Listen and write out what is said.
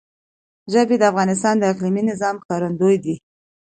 ژبې د افغانستان د اقلیمي نظام ښکارندوی ده.